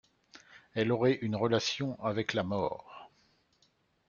Elle aurait une relation avec la mort.